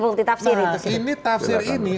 multi tafsir itu ini tafsir ini